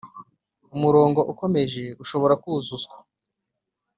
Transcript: umurongo ukomeje ushobora kuzuzwa